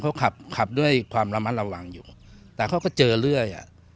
เขาขับขับด้วยความระมัดระวังอยู่แต่เขาก็เจอเรื่อยอ่ะ